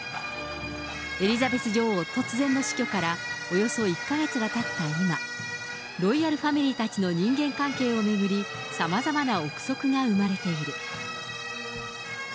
エリザベス女王突然の死去からおよそ１か月がたった今、ロイヤルファミリーたちの人間関係を巡り、さまざまな憶測が生まれている。